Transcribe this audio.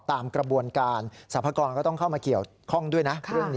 ตามกระบวนการสรรพากรก็ต้องเข้ามาเขียวข้องด้วยนะ